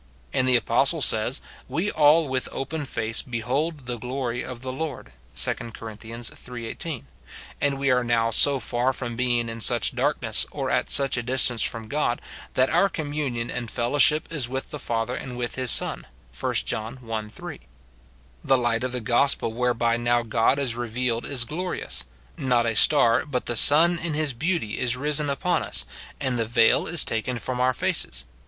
And the apostle says, ' We all with open face behold the glory of the Lord,' 2 Cor. iii. 18 ; and we are now so far from being in such darkness, or at such a distance from God, that ' our communion and fellowship is with the Father and with his Son,' 1 John i. 3. The light of the gospel whereby now God is revealed is glorious ; not a star, but the sun in his beauty is risen upon us, and the veil is taken from our faces.